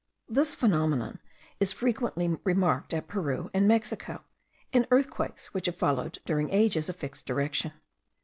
This phenomenon is frequently remarked at Peru and Mexico, in earthquakes which have followed during ages a fixed direction.